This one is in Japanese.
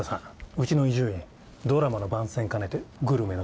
うちの伊集院ドラマの番宣兼ねて『グルメの虎』に。